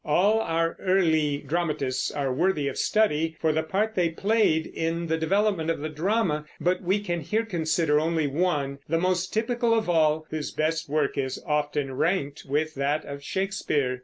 All our early dramatists are worthy of study for the part they played in the development of the drama; but we can here consider only one, the most typical of all, whose best work is often ranked with that of Shakespeare.